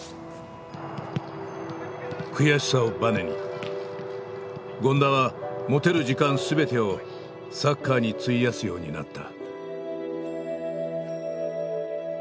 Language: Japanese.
悔しさをバネに権田は持てる時間全てをサッカーに費やすようになった。